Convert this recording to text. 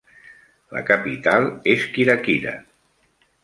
La capital és Kirakira.